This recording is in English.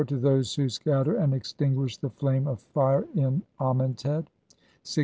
to those who scatter and extinguish the flame of fire in Amentet, 6 65.